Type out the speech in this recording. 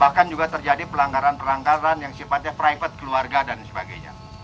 bahkan juga terjadi pelanggaran pelanggaran yang sifatnya private keluarga dan sebagainya